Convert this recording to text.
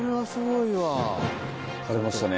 張れましたね。